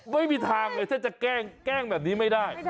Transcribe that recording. ไม่มีทางเลยถ้าจะแกล้งแบบนี้ไม่ได้